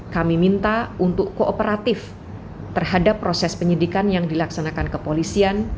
kami minta untuk kooperatif terhadap proses penyidikan yang dilaksanakan kepolisian